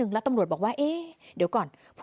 สุดทนแล้วกับเพื่อนบ้านรายนี้ที่อยู่ข้างกัน